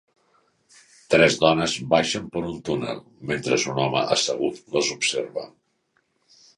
Tres dones baixen per un túnel mentre un home assegut les observa.